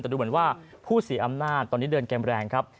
แต่ดูเหมือนว่าผู้เสียอำนาจตอนนี้เดินเกมแรงครับ